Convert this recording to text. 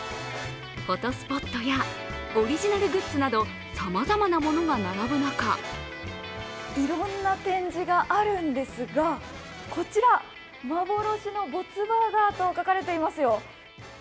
フォトスポットやオリジナルグッズなど、さまざまなものが並ぶ中、いろいろな展示があるんですが、こちら、幻の没バーガーと書かれていますよ。